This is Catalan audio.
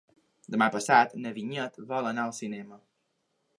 Demà passat na Vinyet vol anar al cinema.